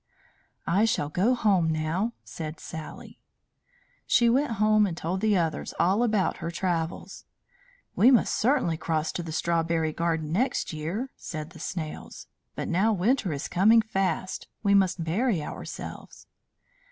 "I shall go home now," said Sally. She went home and told the others all about her travels. "We must certainly cross to the strawberry garden next year," said the Snails, "but now winter is coming fast we must bury ourselves."